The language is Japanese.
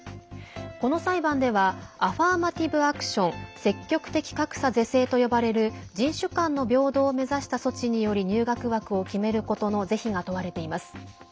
この裁判ではアファーマティブアクション＝積極的格差是正と呼ばれる人種間の平等を目指した措置により入学枠を決めることの是非が問われています。